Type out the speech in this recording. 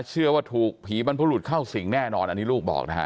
เชื่อว่าถูกผีบรรพรุษเข้าสิ่งแน่นอนอันนี้ลูกบอกนะฮะ